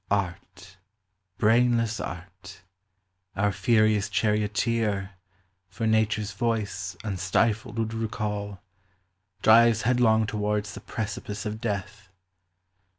Art, brainless Art ! our furious charioteer (For Nature's voice, unstifled, would recall), Drives headlong towards the precipice of death